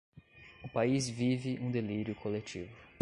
O país vive um delírio coletivo